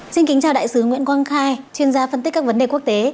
xin kính chào đại sứ nguyễn quang khai chuyên gia phân tích các vấn đề quốc tế